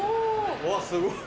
うわすごい！